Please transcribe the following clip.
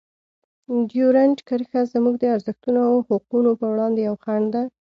ډیورنډ کرښه زموږ د ارزښتونو او حقونو په وړاندې یوه خنډ ده.